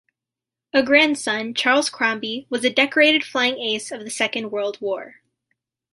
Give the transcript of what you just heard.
A grandson, Charles Crombie, was a decorated flying ace of the Second World War.